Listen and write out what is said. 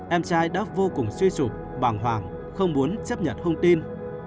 em trai đã vô cùng suy sụp bàng hoàng không muốn chấp nhận thông tin